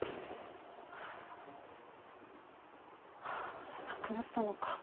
あ亡くなったのか。